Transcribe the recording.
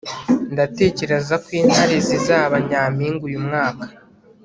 Ndatekereza ko Intare zizaba nyampinga uyu mwaka